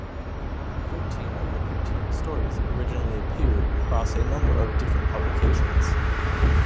Thirteen of the fifteen stories originally appeared across a number of different publications.